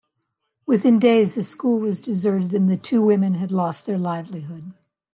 Within days the school was deserted and the two women had lost their livelihood.